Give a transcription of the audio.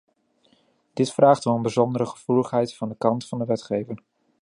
Dit vraagt om een bijzondere gevoeligheid van de kant van de wetgever.